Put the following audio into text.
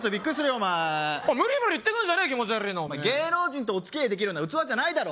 お前無理無理言ってくんじゃねえ気持ち悪いなお前芸能人とお付き合いできるような器じゃないだろ